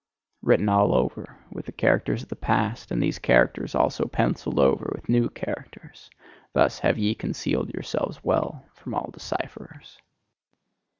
Written all over with the characters of the past, and these characters also pencilled over with new characters thus have ye concealed yourselves well from all decipherers!